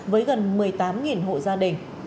với gần một mươi tám hộ gia đình